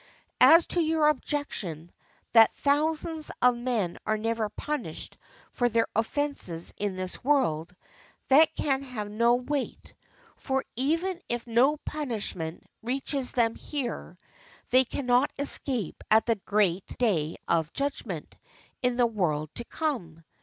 As to your objection that thousands of men are never punished for their offences in this world, that can have no weight; for, even if no punishment reaches them here, they cannot escape at the great Day of Judgment in the world to come.